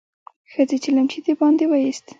ښځې چلمچي د باندې ويست.